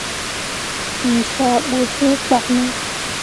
We faa bu fĩĩ kpak ne?